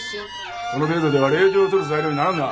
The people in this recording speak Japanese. その程度では令状を取る材料にならんな。